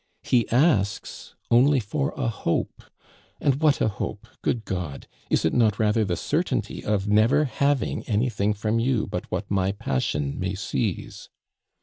He asks only for a hope and what a hope, good God! Is it not rather the certainty of never having anything from you but what my passion may seize?